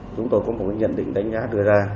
chúng tôi có một nhận định đánh giá đưa ra